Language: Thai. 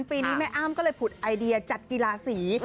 ปีนี้แม่อ้ำก็เลยผุดไอเดียจัดกีฬาสี